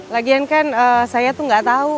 lagian kan saya tuh gak tahu